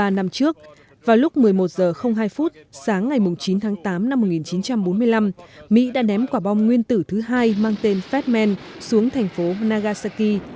ba năm trước vào lúc một mươi một h hai sáng ngày chín tháng tám năm một nghìn chín trăm bốn mươi năm mỹ đã ném quả bom nguyên tử thứ hai mang tên fedman xuống thành phố nagasaki